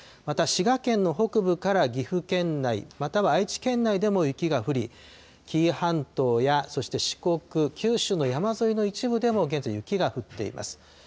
また滋賀県の北部から岐阜県内、または愛知県内でも雪が降り、紀伊半島やそして四国、九州の山沿いの一部でも、現在雪が降っています。